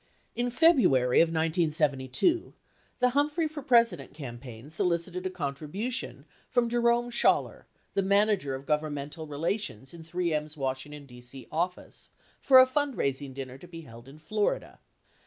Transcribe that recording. In February of 1972, the Humphrey for President campaign solicited a contribution from Jerome Schaller, the Manager of Governmental Relations in 3 M's Washington, D.C. office, for a fund raising dinner to be held in Florida.